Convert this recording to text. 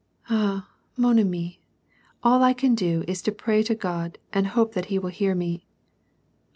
"Ah! man ami! All I can do is to pray to God and hope that he will hear me.